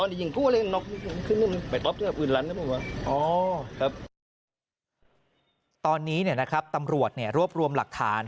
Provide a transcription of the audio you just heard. ร้านอ๋อครับตอนนี้เนี้ยนะครับตำรวจเนี้ยรวบรวมหลักฐาน